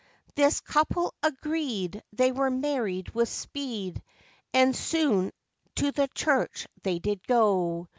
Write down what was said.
This couple agreed; They were married with speed, And soon to the church they did go.